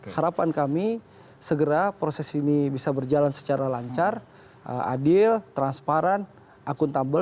harapan kami segera proses ini bisa berjalan secara lancar adil transparan akuntabel